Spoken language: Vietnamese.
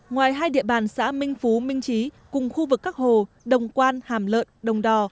ngoài hai địa bàn xã minh phú minh trí cùng khu vực các hồ đồng quan hàm lợn đồng đò